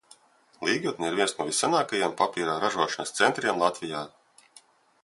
Līgatne ir viens no vissenākajiem papīra ražošanas centriem Latvijā.